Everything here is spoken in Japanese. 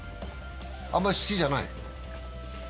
あまり好きじゃない？